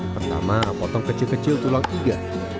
pertama potong kecil kecil tulang iga